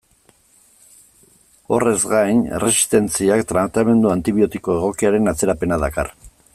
Horrez gain, erresistentziak tratamendu antibiotiko egokiaren atzerapena dakar.